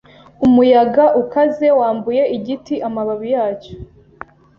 Umuyaga ukaze wambuye igiti amababi yacyo.